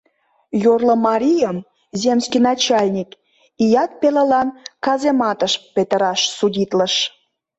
Йорло марийым земский начальник ият пелылан казематыш петыраш судитлыш...